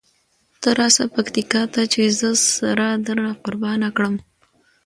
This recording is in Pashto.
ته راسه پکتیکا ته چې زه سره درنه قربانه کړم.